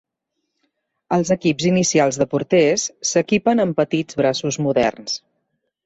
Els equips inicials de porters s'equipen amb petits braços moderns.